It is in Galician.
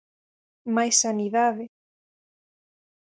Máis sanidade...